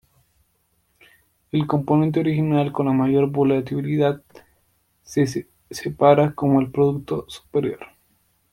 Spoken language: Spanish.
El componente original con la mayor volatilidad se separa como el producto superior.